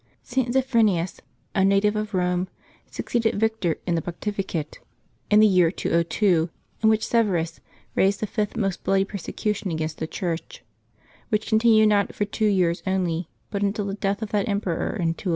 ^T. Zephyrixus, a native of Eome, succeeded Victor in the pontificate, in the year 202, in which Severus raised the fifth most bloody persecution against the Church, which continued not for two years only, but until the death of that emperor in 211.